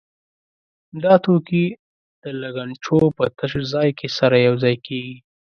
دا توکي د لګنچو په تش ځای کې سره یو ځای کېږي.